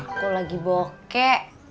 aku lagi bokeh